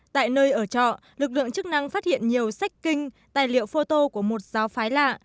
tại nơi ở trọ lực lượng chức năng phát hiện nhiều sách kinh tài liệu photo của một giáo phái lạ